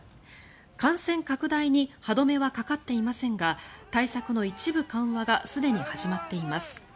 感染拡大に歯止めはかかっていませんが対策の一部緩和がすでに始まっています。